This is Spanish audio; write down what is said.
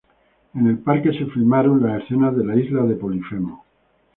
En el parque se filmaron las escenas de la isla de Polifemo.